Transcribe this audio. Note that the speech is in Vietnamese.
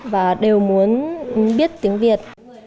và đều muốn biết tiếng việt